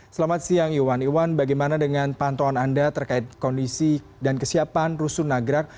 selamat siang iwan iwan bagaimana dengan pantauan anda terkait kondisi dan kesiapan rusun nagrak